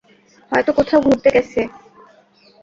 হয়তো কোথাও ঘুরতে গেছে।